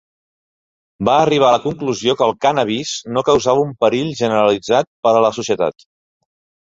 Va arribar a la conclusió que el cànnabis no causava un perill generalitzat per a la societat.